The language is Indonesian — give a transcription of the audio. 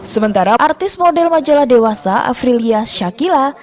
sementara artis model majalah dewasa afrilia shakila